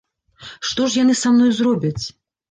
Што ж яны са мною зробяць?